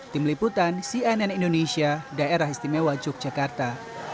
tim liputan cnn indonesia daerah istimewa yogyakarta